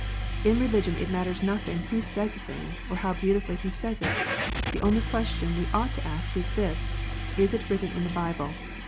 In religion, it matters nothing who says a thing, or how beautifully he says it. The only question we ought to ask is this, " Is it written in the Bible